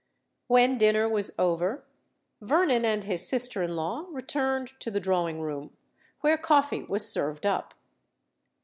When dinner was over, Vernon and his sister in law returned to the drawing room, where coffee was served up.